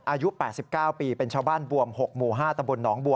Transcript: อายุ๘๙ปีเป็นชาวบ้านบวม๖หมู่๕ตำบลหนองบัว